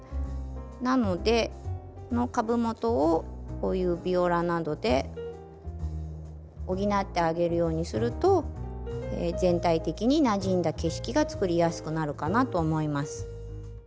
なのでこの株元をこういうビオラなどで補ってあげるようにすると全体的になじんだ景色がつくりやすくなるかなと思います。